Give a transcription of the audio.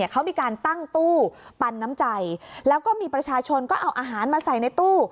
เขามีการตั้งตู้ปันน้ำใจแล้วก็มีประชาชนก็เอาอาหารมาใส่ในตู้